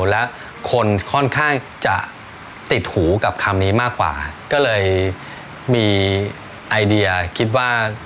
และคนค่อนข้างจะติดหูกับคำนี้มากกว่าก็เลยมีไอเดียคิดว่า